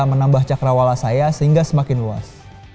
menambah cakrawala saya sehingga semakin luas